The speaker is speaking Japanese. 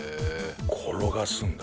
転がすんだ。